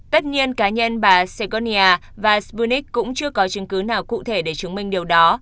tất nhiên cá nhân bà segonia và sputnik cũng chưa có chứng cứ nào cụ thể để chứng minh điều đó